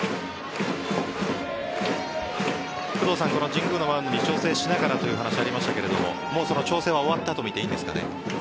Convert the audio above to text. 工藤さん、神宮のマウンドに調整しながらという話がありましたがその調整は終わったとみてそうですね。